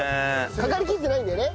かかりきってないんだよね。